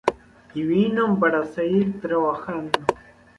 Y vino para seguir trabajando.